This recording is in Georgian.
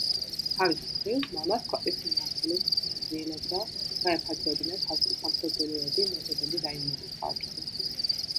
თავის მხრივ, მამას ქვეყნის მმართველიც ცდილობდა გაეფართოებინა თავისი სამფლობელოები მეზობელი რაიონების ხარჯზე.